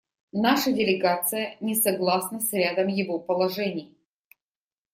Наша делегация не согласна с рядом его положений.